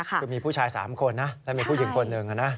คือมีผู้ชาย๓คนนะและมีผู้หญิงคนหนึ่งนะ